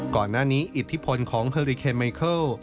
ก่อนหน้านี้อิทธิพลของเฮอริเคนไมเคิล